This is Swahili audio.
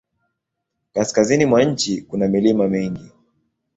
Kaskazini mwa nchi kuna milima mingi.